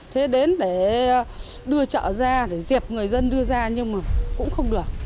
thế đến để đưa chợ ra để diệp người dân đưa ra nhưng mà cũng không được